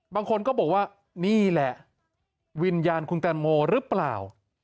บางคนก็บอกว่านี่แหละวิญญาณคุณแตงโมหรือเปล่า